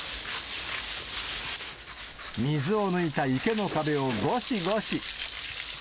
水を抜いた池の壁をごしごし。